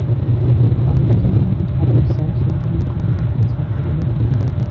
আহত তিনজনকে ঢাকার স্যার সলিমুল্লাহ মেডিকেল কলেজ হাসপাতালে ভর্তি করা হয়েছে।